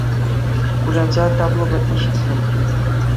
Кулянса табло патне ҫитрӗм.